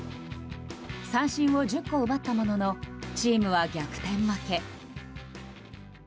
三振を１０個奪ったもののチームは逆転負け。